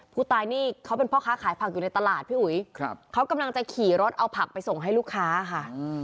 ผู้ตายนี่เขาเป็นพ่อค้าขายผักอยู่ในตลาดพี่อุ๋ยเขากำลังจะขี่รถเอาผักไปส่งให้ลูกค้าค่ะ